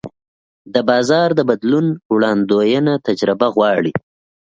د بازار د بدلون وړاندوینه تجربه غواړي.